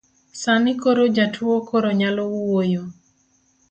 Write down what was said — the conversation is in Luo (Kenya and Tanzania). Sani koro jatuo koro nyalo wuoyo